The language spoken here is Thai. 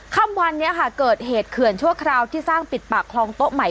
ค่ำวันนี้ค่ะเกิดเหตุเขื่อนชั่วคราวที่สร้างปิดปากคลองโต๊ะใหม่